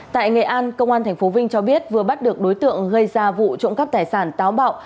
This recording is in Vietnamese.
tại nghệ an công an tp vinh cho biết vừa bắt được đối tượng gây ra vụ trộm cắp tài sản táo bạo